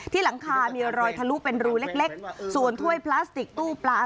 หลังคามีรอยทะลุเป็นรูเล็กส่วนถ้วยพลาสติกตู้ปลา